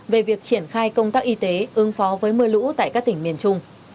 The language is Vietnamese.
về việc triển khai công tác y tế ứng phó với mưa lũ tại các tỉnh miền trung